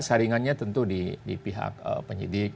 saringannya tentu di pihak penyidik